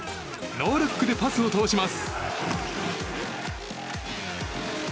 ノールックでパスを通します。